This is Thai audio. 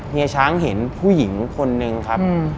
เฮียช้างเห็นผู้หญิงคนนึงครับ